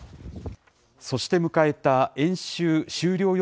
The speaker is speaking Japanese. そして迎えた演習終了